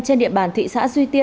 trên địa bàn thị xã duy tiên